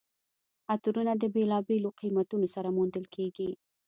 عطرونه د بېلابېلو قیمتونو سره موندل کیږي.